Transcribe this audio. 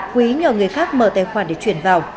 quý nhờ người khác mở tài khoản để chuyển vào